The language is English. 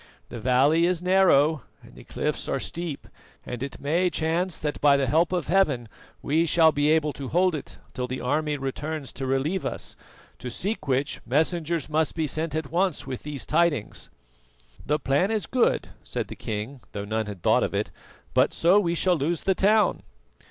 The valley is narrow and the cliffs are steep, and it may chance that by the help of Heaven we shall be able to hold it till the army returns to relieve us, to seek which messengers must be sent at once with these tidings." "The plan is good," said the king, though none had thought of it; "but so we shall lose the town."